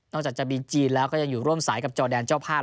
นอกจากจะมีจีนแล้วก็ยังร่วมสายกับจอแดนเจ้าพลาด